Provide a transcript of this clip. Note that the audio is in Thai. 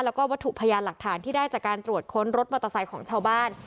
แล้วก็วัตถุพยานหลักฐานที่ได้จากการตรวจค้นรถมอเตอร์ไซค์ของชาวบ้าน